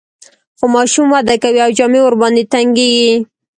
خو ماشوم وده کوي او جامې ورباندې تنګیږي.